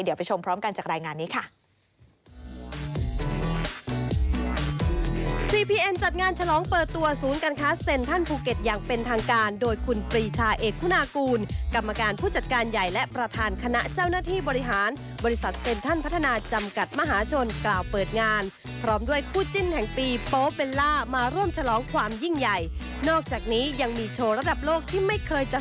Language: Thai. เดี๋ยวไปชมพร้อมกันจากรายงานนี้ค่ะ